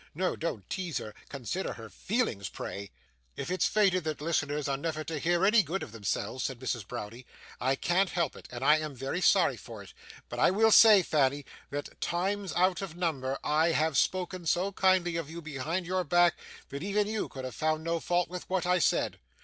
No, don't tease her. Consider her feelings, pray!' 'If it's fated that listeners are never to hear any good of themselves,' said Mrs. Browdie, 'I can't help it, and I am very sorry for it. But I will say, Fanny, that times out of number I have spoken so kindly of you behind your back, that even you could have found no fault with what I said.